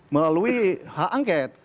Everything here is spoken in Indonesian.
melalui hak angket